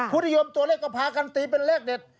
ผู้นิยมตัวเลขก็พากันตีเป็นเลขเด็ด